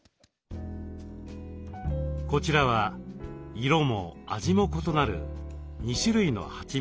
こちらは色も味も異なる２種類のはちみつです。